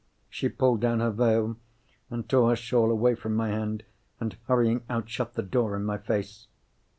She pulled down her veil, and tore her shawl away from my hand, and, hurrying out, shut the door in my face.